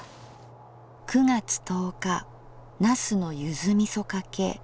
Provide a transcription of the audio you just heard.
９月１０日「茄子のゆづみそかけ」。